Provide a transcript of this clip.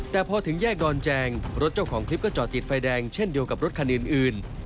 แต่พอถึงแยกดอนแจงรถเจ้าของคลิปก็จอดติดไฟแดงเช่นเดียวกับรถคันอื่น